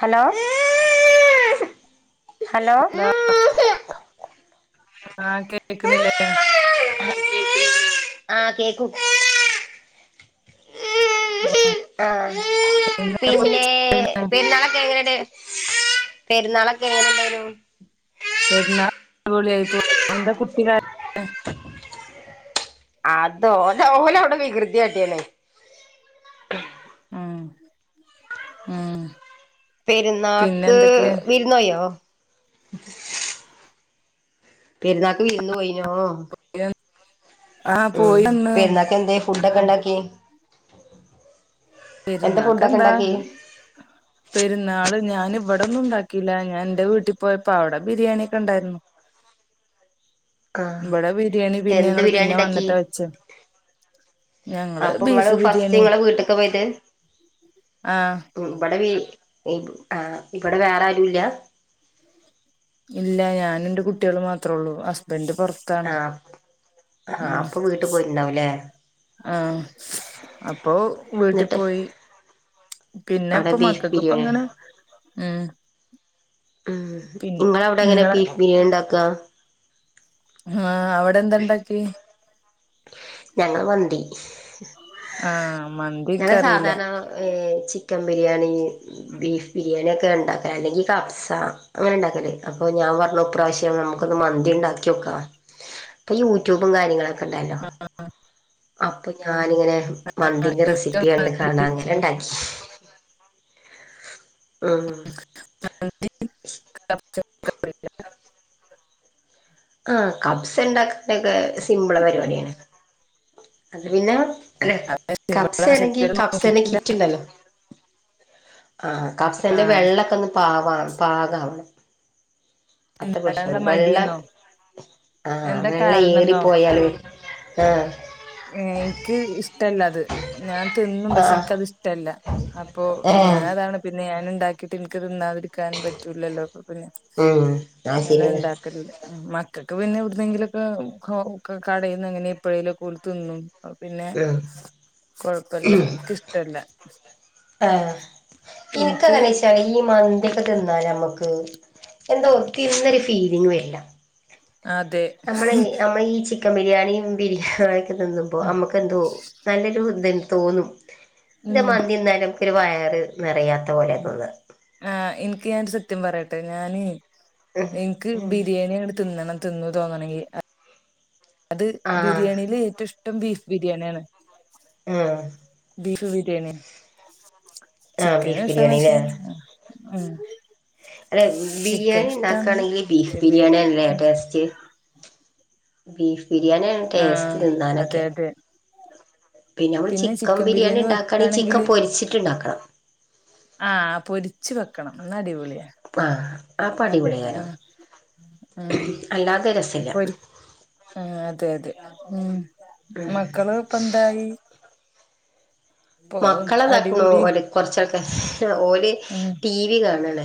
Hello? Hello? ആ കേക്കുന്നില്ലേ ആഹ് കേക്കും ആ ആഹ് എന്തിനാ പിന്നെ കൊച്ച് കരയുന്നെ? പെരുന്നാളൊക്കെ എങ്ങനെണ്ട് പെരുന്നാളൊക്കെ എങ്ങനെണ്ടയിനു? [unintelligible] ആതോ ഓല ഓലവ്ടെ വികൃതിയാട്ടിണ്. ആഹ് ആഹ് പെരുന്നാക്ക് വിരുന്നോയോ? പെരുന്നാക്ക് വിരുന്നോയിനോ? ആ ഉം പോയി വന്ന് പെരുന്നാക്കെന്തെ ഫുസ്സൊക്കെ ഇണ്ടാക്കിയെ? എന്താ ഫുഡെക്കെ ഇണ്ടാക്കിയെ? പെരുന്നാള് ഞാൻ ഇവടെന്നും ഉണ്ടാക്കിയില്ല. ഞാൻ ഇന്റെ വീട്ടിൽ പോയപ്പോ അഒടെ ബിരിയാണി ഒക്കെ ഉണ്ടായിരുന്നു. [inaudible] ആഹ് ഇവിടെ ബിരിയാണി പിന്നെ എന്ത് ഞങ്ങള് ബിരിയാണി പിന്നെ ഇണ്ടാക്കി. വന്നിട്ടാ വെച്ചേ ഞങ്ങള് അപ്പ ഇങ്ങള് ബീഫ് ഫസ്റ്റ് ബിരിയാണി ഇങ്ങളെ വീട്ടുക്കാ പോയത്. ആഹ് ഇബ്ടെ ബി ആ ഇബിടെ വേറെ ആരുല്ല. ഇല്ല ഞാനും ഇന്റെ കുട്ട്യേളും മാത്രള്ളൂ. ഹസ്ബൻഡ് പൊറ്ത്ത് ആഹ് ആഹ് അപ്പൊ വീട്ടിൽ പോയിട്ടുണ്ടാവുല്ലേ. ആഹ് അപ്പോ വീട്ടി എന്നിട്ട് പോയി. പിന്നെ അവിടെ ഇപ്പൊ ബീഫ് മക്കക്ക് ഇപ്പ ബിരിയാണി ഇങ്ങനെ ഉം ഉം പിന്നെ ഇങ്ങളെ ഔടെ എങ്ങനെ നിങ്ങളെ ബീഫ് ബിരിയാണി ഇണ്ടാക്ക. ആഹ് അവ്ടെ എന്താണ്ടാക്ക്യെ. ഞങ്ങള് മന്തി. ആഹ് മന്തി ഞങ്ങള് ഇക്കറിയില്ല സാധാരണ ഏഹ് ചിക്കൻ ബിരിയാണി. ബീഫ് ബിരിയാണി ഒക്കെ ഇണ്ടാക്കല്. അല്ലെങ്കി കബ്സ അങ്ങനെ ഇണ്ടാക്കല് അപ്പൊ ഞാൻ പറഞ്ഞു ഇപ്രാവശ് നമുക്കൊന്ന് മന്തി ഇണ്ടാക്ക്യാേക്ക. ഇപ്പൊ യൂട്യൂബും കാര്യങ്ങളൊക്കെ ഇണ്ടല്ലോ. ആഹ് അപ്പം ഞാനിങ്ങനെ മന്തിന്റെ എനിക്ക് റെസിപ്പി കണ്ട് കാണാ മന്തി അങ്ങനെ ഇണ്ടാക്കി ആഹ് [inaudible] ആഹ് കബ്സ ഇണ്ടാകലൊക്കെ സിമ്പിള് പരിപാടിയാണ് അത് പിന്നെ അല്ല കബ്സേണെങ്കി കബ്‌സന്റെ നോക്കിട്ടില്ല കിറ്റ്ണ്ടല്ലോ. ആഹ് കബ്സേന്റെ ആഹ് വെള്ളെക്കെന്ന് പാക പാകാവണം. അത്ര പ്രശ്‌നം ഇണ്ടാക്കാനുള്ള ഒള്ളു. വെള്ളം മടിന്നോ ആഹ് എന്താ വെള്ളം കാരണംന്നോ ഏറിപ്പോയാലോ ആഹ് ഇൻക്ക് ഇഷ്ടല്ല അത്. ഞാൻ തിന്നും പക്ഷെ ആഹ് എനിക്ക് അത് ഇഷ്ടല്ല. അപ്പൊ ഏഹ് ഞാനതാണ്. പിന്നെ ഞാൻ ഉണ്ടാക്കിട്ട് ഇൻക്ക് തിന്നാതിരിക്കാൻ പറ്റൂലല്ലോ. അപ്പോ പിന്നെ ഉം അത് ഞാനത് ശരിയാണ് ഇണ്ടാ ക്കൽല്ല. മക്കക്ക് പിന്നെ എവിട്ന്നെങ്കിലൊക്കെ കടേന്ന് എങ്ങനെ എപ്പഴേലൊക്കെ ഓല് തിന്നും. അപ്പ പിന്നെ ഉം കൊഴപ്പല്ല. ഇൻക്ക് ഇഷ്ടല്ല. ആഹ് ഇൻക്കങ്ങനെ ഈ മന്തിയൊക്കെ തിന്നാ ഞമക്ക് എന്താ തിന്നൊരു ഫീലിംഗ് വര്ല്ല. ആത് നമ്മളെ നമ്മള് ഈ ചിക് ക്കൻ ബിരിയാണിയും ബിരിയാണിയെക്കെ നിന്നുമ്പോ നമുക്കു എന്തോ നല്ലൊരു ഇത് തോന്നും. ൻ്റെ ഉം മന്തി തിന്നാല് നമുക്കൊരു വയറ് നിറയാത്ത പോലെ തോന്ന. ആഹ് ഇൻക്ക് ഞാൻ ഒരു സത്യം പറയട്ടെ ഞാന് ഇൻക്ക് ഉം ബിരിയാണിയ ങ്ങട് തിന്നണം. തിന്ന് തോന്നണെങ്കി അത് ആഹ് ബിരിയാണിയില് ഏറ്റവും ഇഷ്ടം ബീഫ് ബിരിയാണ്യാണ്. ആഹ്. ബീഫ് ബിരിയാണിയാ. ആഹ് ചിക്കനും ബീഫ് ഇഷ്ടാണ് ബിരിയാണില്ലേ [unintelligible] ഉം അല്ലെ ചിക്കൻ ബിരിയാണി ഇഷ്ടാണ് ഉണ്ടാക്കാണെങ്കി ബീഫ് പക്ഷെ ബീ ബിരിയാണി ആണ്ലെ ടേസ്റ്റ്. ബീഫ് ബിരിയാണി ആണ് ആഹ് ടേസ്റ്റ് അതെ തിന്നാനൊക്കെ. അതെ പിന്നെ നമ്മൾ ചിക്കൻ ബിരിയാണി ഇണ്ടാക്കാണെങ്കി ചിക്കൻ പൊരിച്ചിട്ട് ഇണ്ടാക്കണം. ആഹ് പൊരിച്ചു വെക്കണം. ഇന്നാ അടിപൊളിയാ. ആഹ് അപ്പൊ അതെ അടിപൊളിയാകാരം ആഹ് ഉം അല്ലാതെ രസല്ല പൊരി ആഹ് അതെ അതെ ഉം മക്കള് ഇപ്പന്തായി? മക്കളെതാക്ക്ണു അടിപിടി വ്ടെ കൊറച്ചൊക്കെ ഓര് ഉം ടി വി കാണാണ്.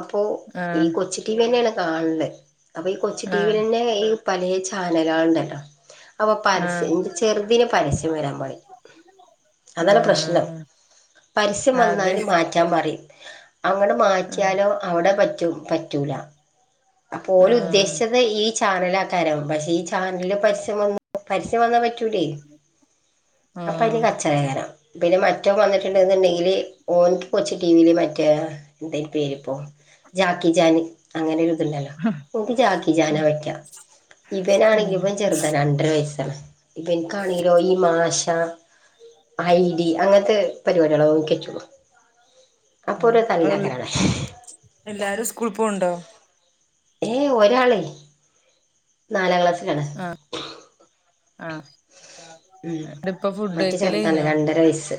അപ്പോ ഈ ആഹ് കൊച്ചി ടി വി തന്നെയാണ് കാണണ് അപ്പോ ഈ കൊച്ചി ടിവി ആഹ് തന്നെ ഈ പലെ ചാനലാള്ണ്ടല്ലോ അപ്പോ പരസ്യം ആഹ് ന്റെ ചെറ്തിന് പരസ്യംവരാൻ പാടില്ല. അതാണ് പ്രശ്നം ആഹ് പരസ്യം അതെ വന്നാല് മാ റ്റാൻ പറിം അങ്ങട് ആഹ് മാറ്റിയാലോ ഔടെ പറ്റും പറ്റൂല. അപ്പോ ഓല് ആഹ് ഉദ്ദേശിച്ചത് ഈ ചാനലാക്കാരം പക്ഷേ ഈ ചാനലില് പരസ്യംവന്നു പരസ്യംവന്നാ പറ്റൂലേയ്. അപ്പയ്ന് ആഹ് കച്ച റെകാരം പിന്നെ മറ്റോന് വന്ന്ട്ട്ണ്ട്ന്ന് ണ്ടെങ്കില് ഓൻക്ക് കൊച്ച് ടീ വീല് മറ്റേ എന്തായ്നി പേരിപ്പോ ജാക്കി ജാൻ അങ്ങനൊരു ഇത്ണ്ടല്ലോ. ഓന്ക്ക് ജാക്കിജാനാ പറ്റാ ഇവനാണെങ്കിൽ ഇവൻ ഉം ചെർ ത രണ്ട്രര വയസ്സാണ് ഇവൻക്കാണെങ്കിലോ ഈ മാഷ ഐഡി അങ്ങൻത്തെ പരിപാടികളെ ഓൻക്ക് പറ്റൊള്ളു അപ്പോരു ആഹ് തല്ലാക്കരം ഔടെ. എല്ലാരും സ്കൂൾ പോവ്ണ്ടോ? ഏഹ് ഒരാള് നാലാംക്ലാസ്സിലാണ്. അഹ് അഹ് ന്ന്ട്ട്പ്പോ മറ്റേ ഫുഡെയ്ക്കല് ചെറുതാണ് കയ്ഞ്ഞോ? രണ്ടര വയസ്സ്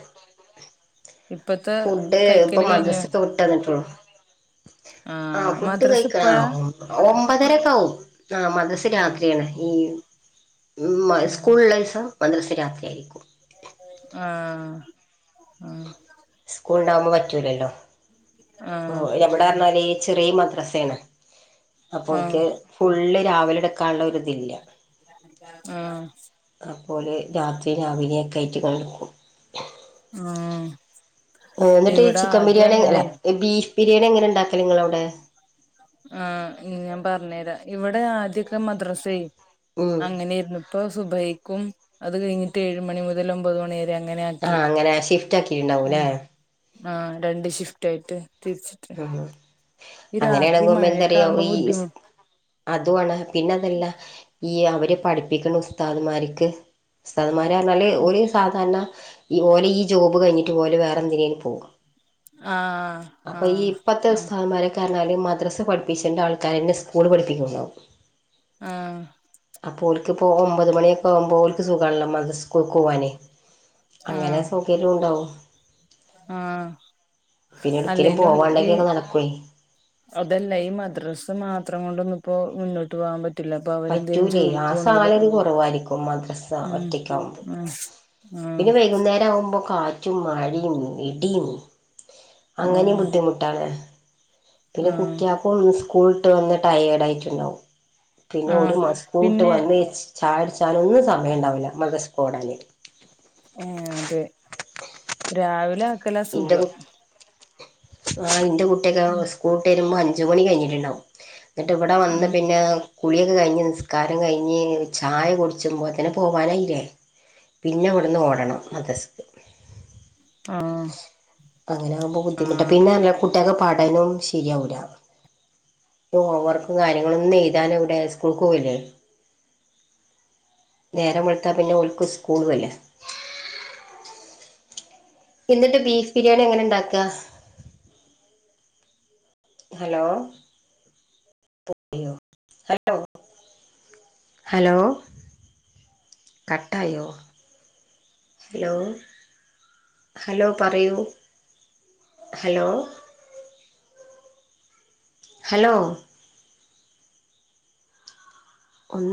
ഇപ്പത്തെ ഫുഡ് ഇപ്പ കൈക്കല് കഴിഞ്ഞോ മദ്രസ്ക്കെ വിട്ടെന്ന്ട്ടൊള്ളു. ആഹ് ഫുഡ് മദ്രസ കഴിക്കാ ഇപ്പഴാ ഒമ്പതരൊക്കാവും. ആഹ് മദ്റസ് ആഹ് രാത്രിയാണ് ഈ ഇമ്മാ ആഹ് സ്കൂള് ള്ള ദീസം മദ്റസ് രാത്രി ആയിരിക്കും. ആഹ് ആഹ്. സ്കൂള്ണ്ടാവുമ്പോ പറ്റൂലല്ലോ ഇപ്പോ ആഹ് [unintelligible] [unintelligible] ഈ ചെറിയെ മദ്രസേണ് അപ്പോ ആഹ് ആഹ് ഓൽക്ക്. ഫുള്ള് രാവിലെ ഇട്ക്കാള്ള ഒരിതില്ല. ആഹ്. അപ്പോ ഓല് രാത്രി രാവിലെക്കായ്റ്റ് ഓല് ഇട്ക്കും. ആഹ്. ഉം ഇന്നട്ടീ ഇവിടെ ചിക്കെൻ ആദ്യം ബിരിയാണി അല്ല അങ്ങനെ ബീഫ് ബിരിണി എങ്ങനെ ഇണ്ടാക്കല് ഇങ്ങളെ ഔടെ? ആഹ് ഇ ഞാൻ പറ്ഞ്ഞരാം ഇവടെ ആദ്യക്കെ മദ്രാസ് ഉം അങ്ങനൊയ്ര്ന്നു. ഇപ്പോ സുബൈക്കും അത് കഴ്ഞ്ഞിട്ട് ഏഴ്മണി മുതൽ ഒമ്പത് മണി വരെ അങ്ങനെ ആക്കി ആഹ് അങ്ങനെ ഷിഫ്റ്റാക്കീണ്ടാവുലെ? ഉം ആഹ് രണ്ട് ഷിഫ്റ്റായിട്ട് തിര്ച്ചിട്ട്. അങ്ങനെയേണെങ്കിമെന്തെടി മഴയൊക്കെ ആകുമ്പോ ബുദ്ധിമു ഈസ് അതും ആണ് പിന്നെ അതല്ല ഈ അവര് പഠ്പ്പിക്കുന്ന ഉസ്താദുമാർക്ക്. ഉസ്താദ്മ്മാരാർഞ്ഞാല് ഓല് സാധാര്ണ ഈ പോലെ ഈ ജോബ് കഴിഞ്ഞിട്ട് ഓല് വേറെ എന്തിനേലും പോകും. ആഹ്. അപ്പോ ഈ ആഹ് ഇപ്പത്തെ ആഹ് ഉസ്താദ്മ്മാരെക്കെറ്ഞ്ഞാല് മദ്രസ് പഠിപ്പിച്ചെണ്ട ആൾക്കാരെന്നെ സ്കൂള് പഠിപ്പിക്ണ്ടാവും. ആഹ്. അപ്പോ ഓൽക്ക് ഇപ്പോ ഒമ്പത് മണിയൊക്കെ ആവുമ്പോ ഓല്ക്ക് സുഖാണല്ലോ മദ്സ് സ്‌കൂൾക്ക് പോവാന്. അങ്ങനെ ആഹ് സൗകര്യം ഇണ്ടാവും. ആഹ്. പിന്നെ ഒട്ക്കേങ്കിലും പോവാണ്ടെങ്കിലൊക്കെ നടക്കുയ്. അതെല്ല ഈ മദ്രാസ് മാത്രം കൊണ്ടൊന്ന്പ്പോ മുന്നോട്ട് പോവാൻ പ പറ്റൂലേയ് ആ സാലറി കുറവായിരിക്കും മദ്രസ ഉം ഒറ്റക്കാവുമ്പോ. ഉം പിന്നെ ഉം വെയ്കുന്നേരം ആവുമ്പോ കാ റ്റും മഴിം ഇടിം ഉം അങ്ങനിംബുദ്ധിമുട്ടാണ്. പിന്നെ ആഹ് കുട്ടിയാൾക്കും സ്കൂൾട്ട് വന്ന് ടയേഡ് ആയിറ്റ്ണ്ടാവും. പിന്നെ ഓല് ആഹ് മസ്കൂട്ട് പിന്നെ വന്ന് ചായകുടിച്ചാനും സമയഇണ്ടാവൂല മദ്രസ്ക്ക് ഓടണ്ടാരും. ഏഹ് അതെ രാവിലെ ആക്കലാ ഇന്റെ കു സുഖം ആ ഇന്റെ ഉം കുട്ടിയൊക്കെസ് കൂട്ട് വെരുമ്പോ അഞ്ച്മണി കഴിഞ്ഞിട്ടുണ്ടാവും ഇന്നട്ട് ഇവടെ വന്ന് ഉം പിന്നെ കുളിയൊക്കെ കഴിഞ്ഞ് നിസ്കാരം കഴിഞ്ഞ് ചായ കുടിച്ചുമ്പോത്തിന് പോവാൻ ആയിലെ? പിന്നെ ഇവിടുന്ന് ഓടണം മതസ്ക് ആഹ് അങ്ങനെ ആകുമ്പോൾ ബുദ്ധിമുട്ടാണ് ആഹ് പിന്നെ നല്ല കുട്ടികൾക്ക് പാടനും ശരിയാവില്ല ഹോം വർക്കും കാര്യങ്ങളൊന്നും എഴുതാന ഇവിടെ സ്കൂൾക്ക് പോകല്ലേ നേരം വളത്തൽ പിന്നെ ഒൾക്ക് സ്കൂൾ അല്ലേ എന്നിട്ട് ബീഫ് ബിരിയാണി എങ്ങനെ ഇണ്ടാക്ക ഹലോ ഹലോ ഹലോ കട്ടായോ ഹലോ ഹലോ പറയൂ ഹലോ ഹലോ ഒന്ന്